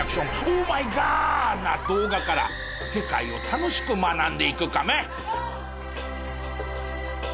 「オーマイガー！」な動画から世界を楽しく学んでいくカメ。